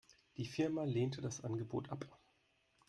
Die Firma lehnte das Angebot ab.